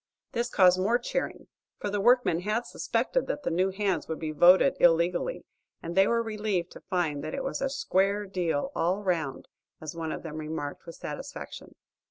This caused more cheering, for the workmen had suspected that the new hands would be voted illegally, and they were relieved to find that it was a "square deal all 'round," as one of them remarked with satisfaction.